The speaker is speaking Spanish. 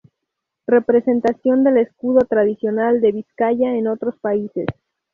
Representación del escudo tradicional de Vizcaya en otros países